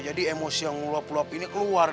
jadi emosi yang ngulap luap ini keluar deh